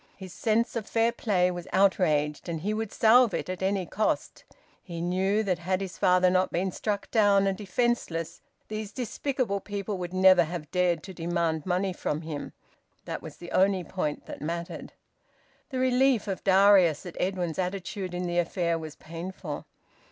His sense of fair play was outraged, and he would salve it at any cost. He knew that had his father not been struck down and defenceless, these despicable people would never have dared to demand money from him. That was the only point that mattered. The relief of Darius at Edwin's attitude in the affair was painful.